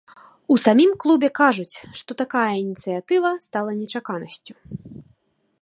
У самім клубе кажуць, што такая ініцыятыва стала нечаканасцю.